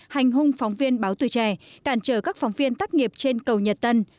hành hung phóng viên báo tùy trẻ cản trở các phóng viên tác nghiệp trên cầu nhật tân